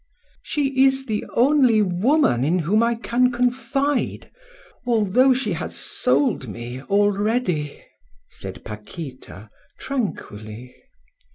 "She is the only woman in whom I can confide, although she has sold me already," said Paquita, tranquilly.